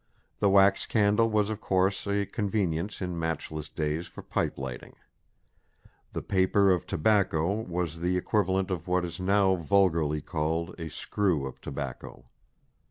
The wax candle was of course a convenience in matchless days for pipe lighting. The "paper of tobacco" was the equivalent of what is now vulgarly called a "screw" of tobacco.